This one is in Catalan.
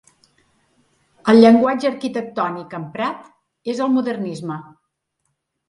El llenguatge arquitectònic emprat és el Modernisme.